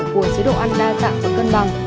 của chế độ ăn đa dạng và cân bằng